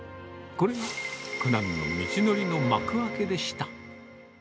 これが苦難の道のりの幕開けでした。